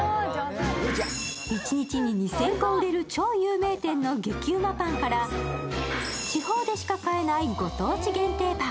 一日に２０００個売れる超有名店の激うまパンから地方でしか買えないご当地限定パン。